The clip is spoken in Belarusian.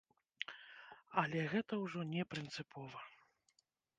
Але гэта ўжо не прынцыпова.